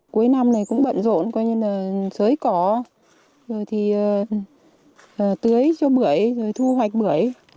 cuối năm này cũng bận rộn coi như là sới cỏ rồi thì tưới cho bưởi rồi thu hoạch bưởi